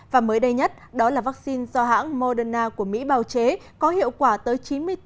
và mới đây nhất đó là vaccine do hãng moderna của mỹ bào chế có hiệu quả tới chín mươi bốn